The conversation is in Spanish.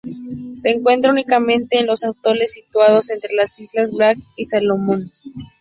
Se encuentra únicamente en los atolones situados entre las islas Bismarck y las Salomón.